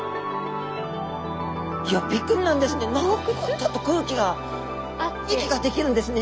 ちょっと空気が息ができるんですね